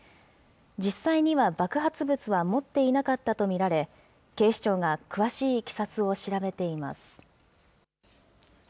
実際には爆発物は持っていなかったと見られ、警視庁が詳しいいきさつを調べています。